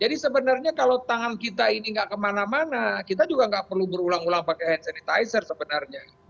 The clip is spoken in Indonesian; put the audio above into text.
jadi sebenarnya kalau tangan kita ini nggak kemana mana kita juga nggak perlu berulang ulang pakai hand sanitizer sebenarnya